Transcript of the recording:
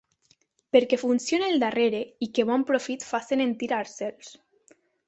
Perquè funcione el darrere i que bon profit facen en tirar-se'ls.